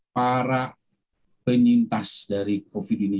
para penyintas dari covid ini